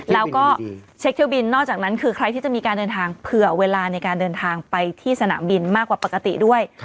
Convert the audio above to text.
แล้วก็เช็คเที่ยวบินนอกจากนั้นคือใครที่จะมีการเดินทางเผื่อเวลาในการเดินทางไปที่สนามบินมากกว่าปกติด้วย